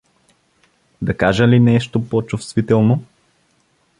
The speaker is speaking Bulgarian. Да кажа ли нещо по-чувствително?